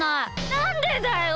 なんでだよ！